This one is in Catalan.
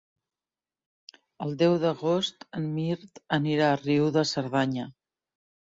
El deu d'agost en Mirt anirà a Riu de Cerdanya.